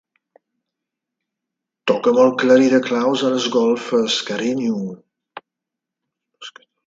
Toca'm el clarí de claus a les golfes, carinyo.